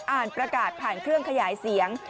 อ่านประกาศผ่านเครื่องขยายเสียง